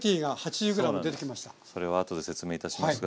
それは後で説明いたしますが。